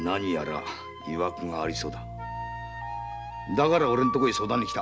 だからオレん所へ相談に来た。